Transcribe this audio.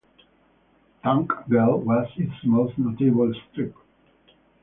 Tank Girl was its most notable strip.